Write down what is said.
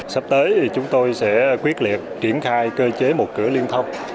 sắp tới thì chúng tôi sẽ quyết liệt triển khai cơ chế một cửa liên thông